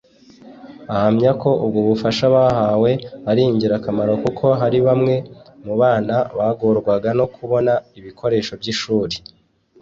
Ahamya ko ubwo bufasha bahawe ari ingirakamaro kuko hari bamwe mu bana bagorwaga no kubona ibikoresho by’ishuri